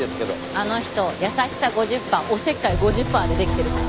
あの人優しさ５０パーおせっかい５０パーでできてるから。